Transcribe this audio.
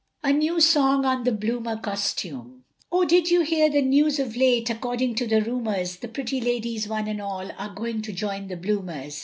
A NEW SONG ON THE BLOOMER COSTUME. Oh, did you hear the news of late, According to the rumours, The pretty ladies one and all, Are going to join the bloomers.